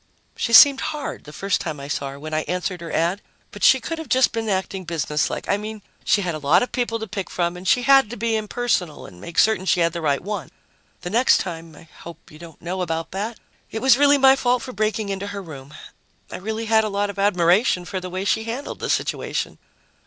"She seemed hard, the first time I saw her, when I answered her ad, but she could have been just acting businesslike. I mean she had a lot of people to pick from and she had to be impersonal and make certain she had the right one. The next time I hope you don't know about that it was really my fault for breaking into her room. I really had a lot of admiration for the way she handled the situation."